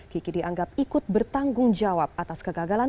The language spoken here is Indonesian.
kiki dianggap ikut bertanggung jawab atas kegagalan